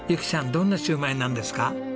どんなシューマイなんですか？